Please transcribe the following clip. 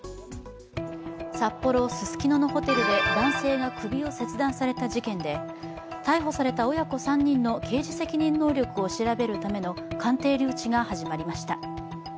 札幌・ススキノのホテルで男性が首を切断された事件で逮捕された親子３人の刑事責任能力を調べるための鑑定留置が始まりました。